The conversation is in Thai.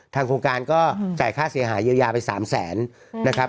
โครงการก็จ่ายค่าเสียหายเยียวยาไป๓แสนนะครับ